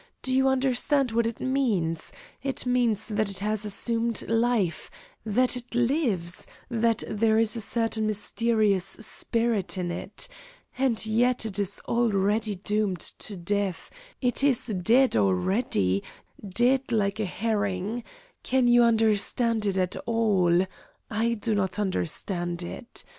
Do you understand what it means? It means that it has assumed life, that it lives, that there is a certain mysterious spirit in it. And yet it is already doomed to death, it is dead already, dead like a herring. Can you understand it at all? I do not understand it.